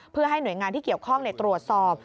เพื่อให้หน่วยงานที่เกี่ยวข้องตรวจสอบ